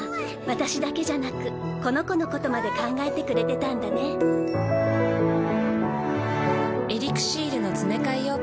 私だけじゃなくこの子のことまで考えてくれてたんだねふふふ。